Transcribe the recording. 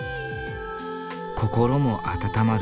心も温まる。